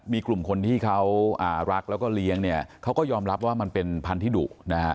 มีกลุ่มคนที่เขารักแล้วก็เลี้ยงเนี่ยเขาก็ยอมรับว่ามันเป็นพันธิดุนะฮะ